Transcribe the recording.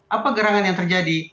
apa gerangan yang terjadi